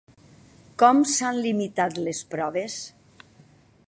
Com s'han limitat les proves?